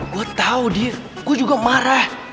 gue tau di gue juga marah